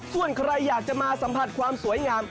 ส่วนใครอยากจะมาสัมผัสความสวยงาม